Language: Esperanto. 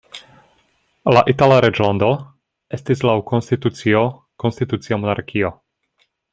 La Itala reĝlando estis laŭ konstitucio konstitucia monarkio.